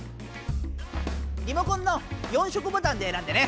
リモコンの４色ボタンで選んでね。